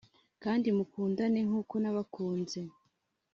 kandi mukundane nk’uko nabakunze